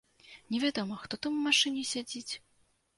Невядома, хто там у машыне сядзіць.